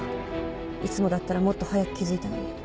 いつもだったらもっと早く気付いたのに。